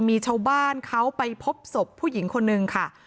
มีชาวบ้านเขาไปพบศพผู้หญิงคนนึงค่ะ